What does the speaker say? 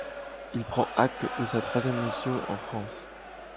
Il prend acte de sa troisième mission en France.